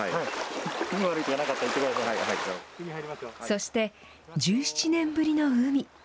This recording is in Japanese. そして、１７年ぶりの海。